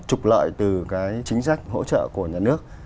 trục lợi từ cái chính sách hỗ trợ của nhà nước